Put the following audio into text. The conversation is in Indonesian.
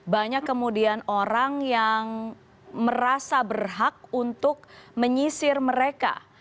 banyak kemudian orang yang merasa berhak untuk menyisir mereka